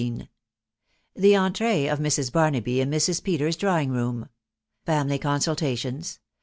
THE ENTRJEE 0F M*S. BARNABY IN MRS. PETERS's DRAWING ROOM. FAMILY CONSULTATIONS.